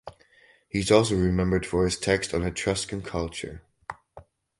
He is also remembered for his text on Etruscan culture.